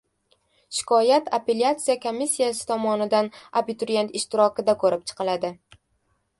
Shikoyat apellyatsiya komissiyasi tomonidan abiturient ishtirokida ko‘rib chiqiladi